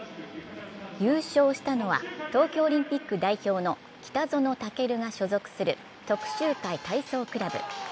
優勝したのは、東京オリンピック代表の北園丈琉が所属する徳洲会体操クラブ。